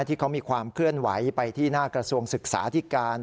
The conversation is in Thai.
ที่เขามีความเคลื่อนไหวไปที่หน้ากระทรวงศึกษาที่การ